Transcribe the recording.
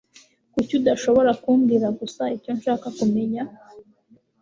Kuki udashobora kumbwira gusa icyo nshaka kumenya?